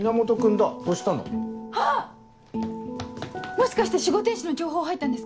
もしかして守護天使の情報入ったんですか？